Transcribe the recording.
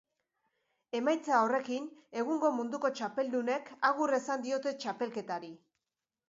Emaitza horrekin egungo munduko txapeldunek agur esan diote txapelketari.